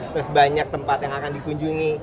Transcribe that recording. terus banyak tempat yang akan dikunjungi